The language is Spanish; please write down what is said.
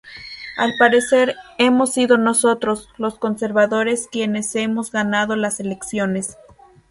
Al parecer, hemos sido nosotros, los conservadores, quienes hemos ganado las elecciones.